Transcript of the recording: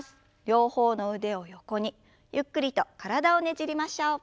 両方の腕を横にゆっくりと体をねじりましょう。